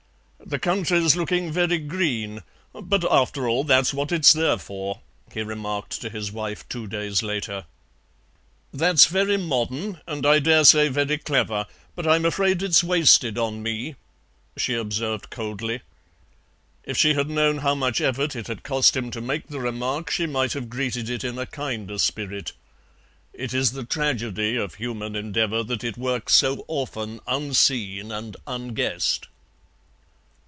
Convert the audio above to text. "The country's looking very green, but, after all, that's what it's there for," he remarked to his wife two days later. "That's very modern, and I dare say very clever, but I'm afraid it's wasted on me," she observed coldly. If she had known how much effort it had cost him to make the remark she might have greeted it in a kinder spirit. It is the tragedy of human endeavour that it works so often unseen and unguessed.